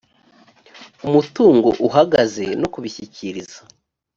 umutungo uhagaze no kubishyikiriza